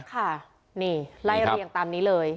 ค่ะนี่ไล่เรียงตามนี้เลย